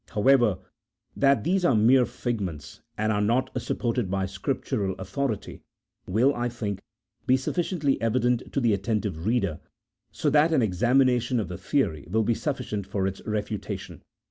However, that these are mere figments, and are not sup ported by Scriptural authority will, I think, be sufficiently evident to the attentive reader, so that an examination of the theory will be sufficient for its refutation.